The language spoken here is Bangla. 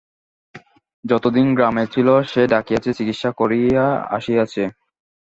যতদিন গ্রামে ছিল, যে ডাকিয়াছে চিকিৎসা করিয়া আসিয়াছে!